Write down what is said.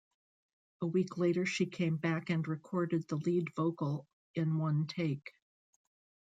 A week later she came back and recorded the lead vocal in one take.